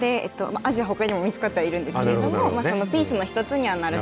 アジア、北米でも見つかってはいるんですけれども、そのピースの一つにはなると。